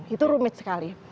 itu rumit sekali